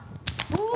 うわ！